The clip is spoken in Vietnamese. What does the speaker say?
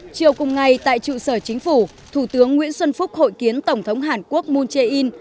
chiều cùng ngày tại trụ sở chính phủ thủ tướng nguyễn xuân phúc hội kiến tổng thống hàn quốc moon jae in